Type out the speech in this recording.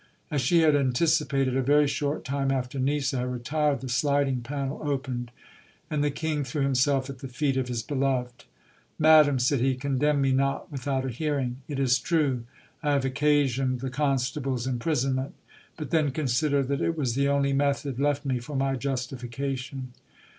As she had anticipated, a very short time after Nisa had retired the sliding panel opened, and the king threw himself at the feet of his beloved. Madam, said he, condemn me not without a hearing. It is true I have occa sioned the constable's imprisonment, but then consider that it was the only method left me for my justification.